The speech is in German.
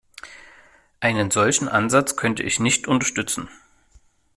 Einen solchen Ansatz könnte ich nicht unterstützen.